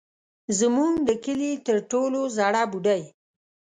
زموږ د کلي تر ټولو زړه بوډۍ.